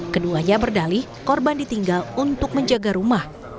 keduanya berdali korban ditinggal untuk menjaga rumah